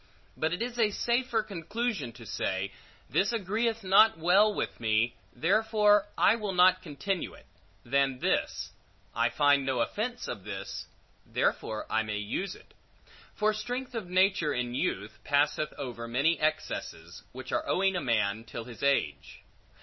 But it is a safer conclusion to say, This agreeth not well with me, therefore, I will not continue it; than this, I find no offence of this, therefore I may use it. For strength of nature in youth, passeth over many excesses, which are owing a man till his age.